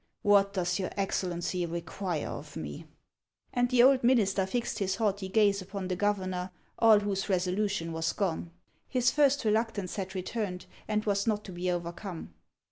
What does your Excellency require of me ?" And the old minister fixed his haughty gaze upon the governor, all whose resolution was gone. His first reluc tance had returned, and was not to be overcome.